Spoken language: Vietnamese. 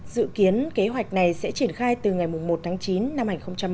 dự kiến kế hoạch này sẽ triển khai từ ngày một tháng chín năm hai nghìn một mươi bảy